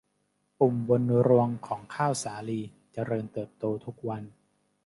ปุ่มบนรวงของข้าวสาลีเจริญเติบโตทุกวัน